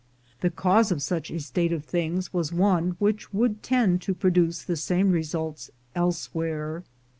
The cause of such a state of things was one which would tend to produce the same results elsewhere.